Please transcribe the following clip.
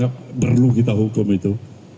kita berlalu hukum itu